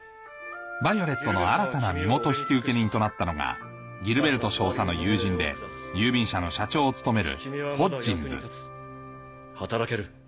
ヴァイオレットの新たな身元引受人となったのがギルベルト少佐の友人で郵便社の社長を務めるホッジンズ働ける